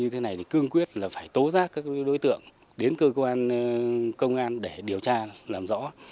những hành vi như thế này thì cương quyết là phải tố giác các đối tượng đến cơ quan công an để điều tra làm rõ